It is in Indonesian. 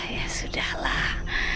ya sudah lah